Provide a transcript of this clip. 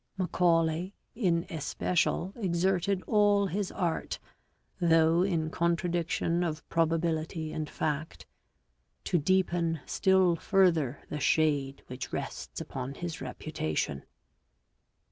Macaulay in especial exerted all his art, though in contradiction of probability and fact, to deepen still further the shade which rests upon his reputation.